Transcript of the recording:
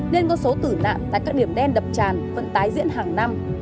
nên con số tử nạn tại các điểm đen đập tràn vẫn tái diễn hàng năm